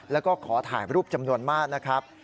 แล้วก็ขอถ่ายรูปจำนวนมากนะครับ